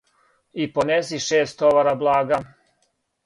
И понеси шест товара блага;